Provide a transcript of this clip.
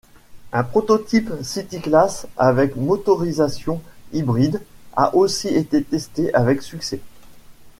Un prototype CityClass avec motorisation hybride a aussi été testé avec succès.